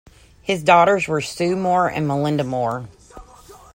His daughters were Sue Moore and Melinda Moore.